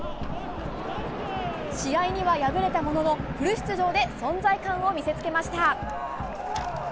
試合には敗れたもののフル出場で存在感を見せつけました。